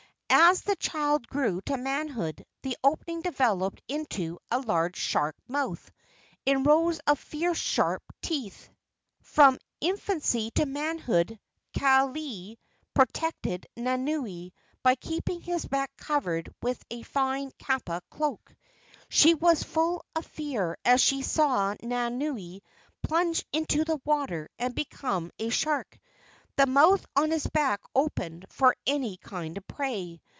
As the child grew to manhood the opening developed into a large shark mouth in rows of fierce sharp teeth. From infancy to manhood Kalei protected Nanaue by keeping his back covered with a fine kapa cloak. She was full of fear as she saw Nanaue plunge into the water and become a shark. The mouth on his back opened for any kind of prey.